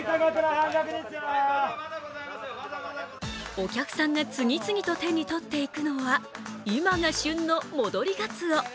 お客さんが次々と手に取っていくのは今が旬の戻りがつお。